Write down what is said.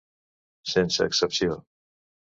Sense excepció.